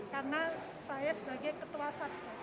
karena saya sebagai ketua satgas